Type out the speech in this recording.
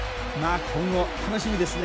今後、楽しみですね。